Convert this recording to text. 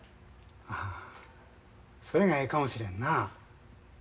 ああそれがええかもしれんな。